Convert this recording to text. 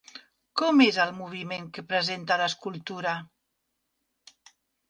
Com és el moviment que presenta l'escultura?